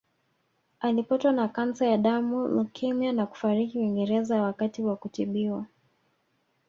Alipatwa na kansa ya damu leukemia na kufariki Uingereza wakati wa kutibiwa